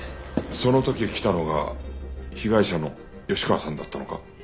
その時来たのが被害者の吉川さんだったのか？